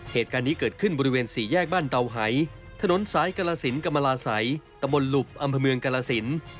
เหตุการณ์นี้เกิดขึ้นบริเวณสี่แยกบ้านเตาหายถนนซ้ายกรราศิลป์กรรมาลาสัยตะบลลุบอำภาเมืองกรราศิลป์